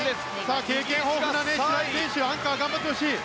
経験豊富な白井選手アンカー、頑張ってほしい！